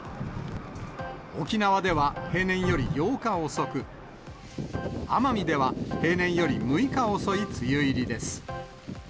沖縄では平年より８日遅く、奄美では平年より６日遅い梅雨入りです。